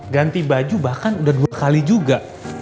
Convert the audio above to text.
ganti baju bahkan udah dua kali juga